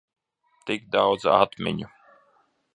Tik daudz atmiņu.